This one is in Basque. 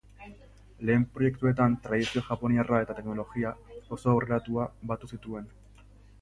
Lehen proiektuetan tradizio japoniarra eta teknologia oso aurreratua batu zituen.